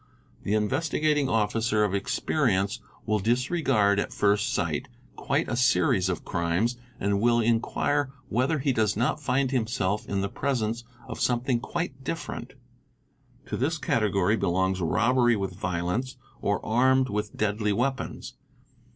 The Investigating Officer of experience will disregard at first sight quite a series of crimes and will enquire whether he does not find himself in the — presence of something quite different ; to this category belongs robbery — with violence, or armed with deadly weapons.